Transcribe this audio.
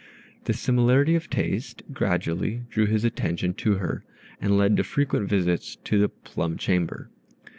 This similarity of taste gradually drew his attention to her, and led to frequent visits to the "plum chamber."